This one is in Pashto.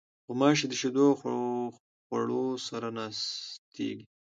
غوماشې د شیدو او خوړو سره ناستېږي.